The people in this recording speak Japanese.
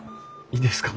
いいですか？